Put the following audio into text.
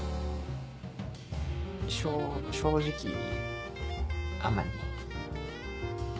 しょ正直あんまり。